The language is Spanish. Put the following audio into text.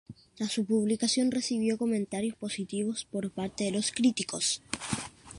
Tras su publicación, recibió comentarios positivos por parte de los críticos.